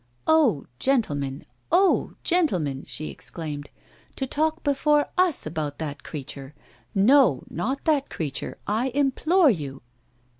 'Oh! gentlemen, oh! gentlemen,' she exclaimed, 'to talk before us about that creature. No, not that creature, I implore you!